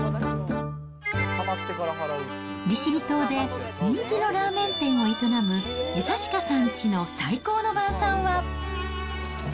利尻島で人気のラーメン店を営む江刺家さんちの最高の晩さんは。